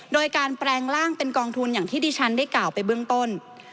โดยการแปลงร่างเป็นกองทุนอย่างที่ดิฉันได้กล่าวไปเบื้องต้น